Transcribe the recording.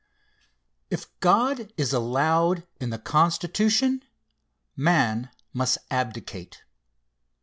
If God is allowed in the Constitution, man must abdicate.